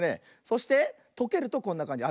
そしてとけるとこんなかんじ。